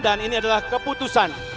dan ini adalah keputusan